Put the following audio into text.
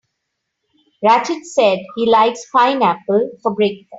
Rachid said he likes pineapple for breakfast.